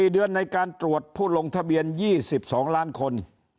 ๔เดือนในการตรวจผู้ลงทะเบียน๒๒ล้านคน